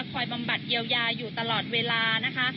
บำบัดเยียวยาอยู่ตลอดเวลานะคะ